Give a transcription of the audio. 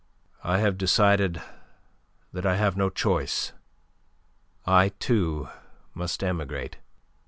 "I have decided that I have no choice. I, too, must emigrate.